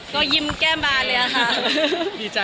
ก็ยิ้มแก้มบานเลยอะค่ะ